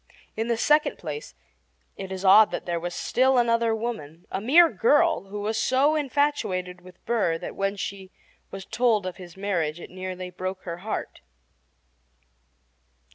In the second place, it is odd that there was still another woman a mere girl who was so infatuated with Burr that when she was told of his marriage it nearly broke her heart.